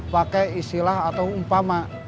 pakai istilah atau umpama